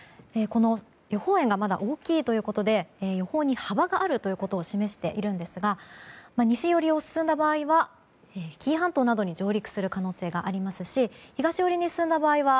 予報円がまだ大きいということで予報に幅があることを示しているんですが西寄りを進んだ場合は紀伊半島などに上陸する可能性がありますし東寄りに進んだ場合は